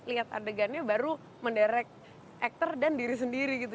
lihat adegannya baru mendirect aktor dan diri sendiri gitu